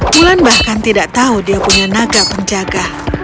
bulan bahkan tidak tahu dia punya naga penjaga